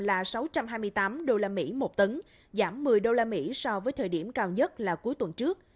là sáu trăm hai mươi tám usd một tấn giảm một mươi usd so với thời điểm cao nhất là cuối tuần trước